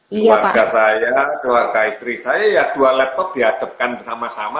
keluarga saya keluarga istri saya ya dua laptop dihadapkan bersama sama